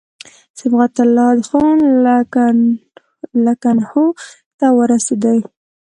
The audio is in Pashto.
صبغت الله خان لکنهو ته ورسېدی.